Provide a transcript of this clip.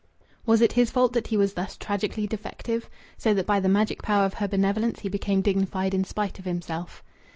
Was it his fault that he was thus tragically defective? So that by the magic power of her benevolence he became dignified in spite of himself.